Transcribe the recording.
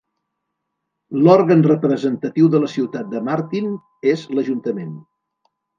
L'òrgan representatiu de la ciutat de Martin és l'ajuntament.